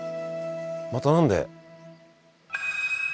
また何で？